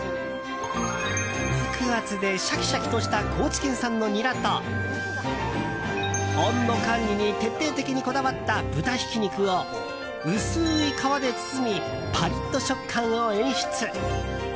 肉厚でシャキシャキとした高知県産のニラと温度管理に徹底的にこだわった豚ひき肉を薄い皮で包みパリッと食感を演出。